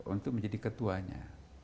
untuk menjadi ketuanya